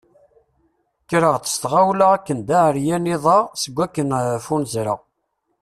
Kkreɣ-d s tɣawla akken d aεeryan iḍ-a seg akken ffunzreɣ.